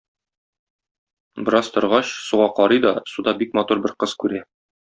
Бераз торгач, суга карый да суда бик матур бер кыз күрә.